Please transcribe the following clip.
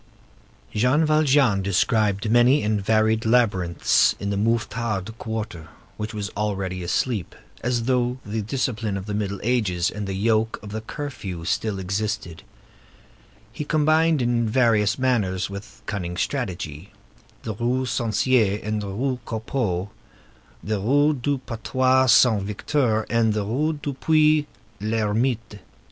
Jean Valjean described many and varied labyrinths in the Mouffetard quarter, which was already asleep, as though the discipline of the Middle Ages and the yoke of the curfew still existed; he combined in various manners, with cunning strategy, the Rue Censier and the Rue Copeau, the Rue du Battoir Saint Victor and the Rue du Puits l'Ermite.